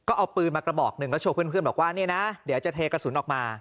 ก็เอาปืนมากระบอกหนึ่งแล้วโชว์เพื่อนบอกว่าเนี่ยนะเดี๋ยวจะเทกระสุนออกมา